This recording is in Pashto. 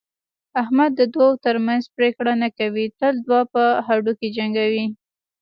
احمد د دوو ترمنځ پرېکړه نه کوي، تل دوه په هډوکي جنګوي.